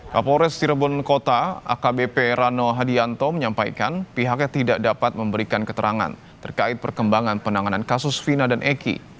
kapolres cirebon kota akbp rano hadianto menyampaikan pihaknya tidak dapat memberikan keterangan terkait perkembangan penanganan kasus vina dan eki